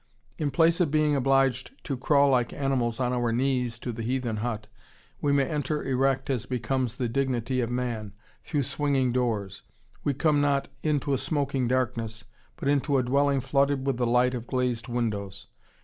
In place of being obliged to crawl like animals on our knees into the heathen hut, we may enter erect as becomes the dignity of man, through swinging doors. We come not into a smoky darkness, but into a dwelling flooded with the light of glazed windows.